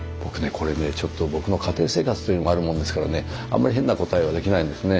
これねちょっと僕の家庭生活というのもあるもんですからねあんまり変な答えはできないんですね。